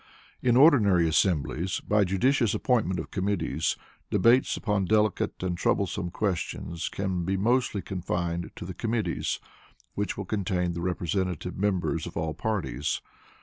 In ordinary assemblies, by judicious appointment of committees, debates upon delicate and troublesome questions can be mostly confined to the committees, which will contain the representative members of all parties.